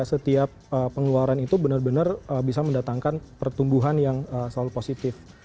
jadi setiap pengeluaran itu benar benar bisa mendatangkan pertumbuhan yang selalu positif